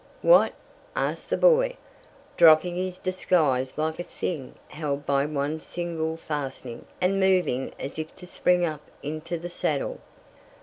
"What?" asked the boy, dropping his disguise like a thing held by one single fastening and moving as if to spring up into the saddle.